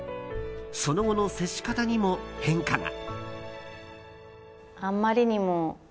その後の接し方にも変化が。